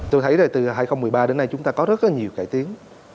tôi thấy là từ hai nghìn một mươi ba đến nay chúng ta có rất là nhiều cải tiến